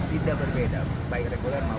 tidak berbeda baik reguler maupun umum